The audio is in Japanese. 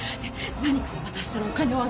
何かを渡したらお金をあげるって！